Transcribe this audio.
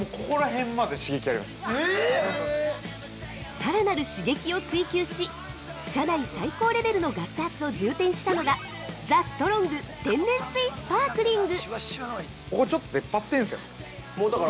◆さらなる刺激を追求し、社内最高レベルのガス圧を充填したのがＴＨＥＳＴＲＯＮＧ天然水スパークリング。